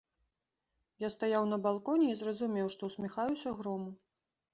Я стаяў на балконе і зразумеў, што ўсміхаюся грому.